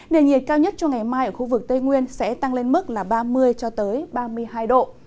nền nhiệt cao nhất cho ngày mai ở khu vực tây nguyên sẽ tăng lên mức là ba mươi cho tới ba mươi hai độ